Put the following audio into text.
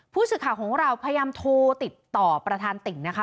ผู้สื่อข่าวของเราพยายามโทรติดต่อประธานติ่งนะคะ